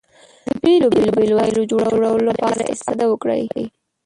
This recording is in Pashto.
د بېلو بېلو وسایلو جوړولو لپاره استفاده وکړئ.